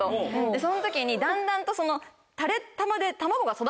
その時にだんだんと。